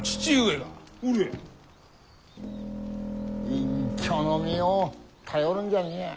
隠居の身を頼るんじゃねえや。